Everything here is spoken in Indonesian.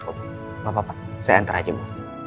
gak apa apa saya hantar aja bu